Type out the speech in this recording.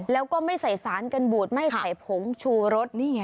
แล้วก็ไม่ใส่สารกันบูดไม่ใส่ผงชูรส